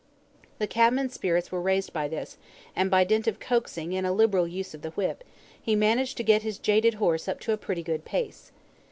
The cabman's spirits were raised by this, and by dint of coaxing and a liberal use of the whip, he managed to get his jaded horse up to a pretty good pace.